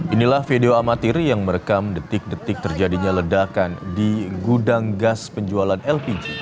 inilah video amatir yang merekam detik detik terjadinya ledakan di gudang gas penjualan lpg